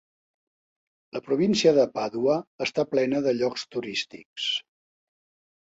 La província de Pàdua està plena de llocs turístics.